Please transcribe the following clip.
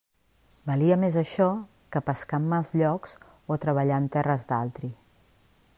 Valia més això que pescar en mals llocs o treballar en terres d'altri.